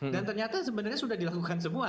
dan ternyata sebenarnya sudah dilakukan semua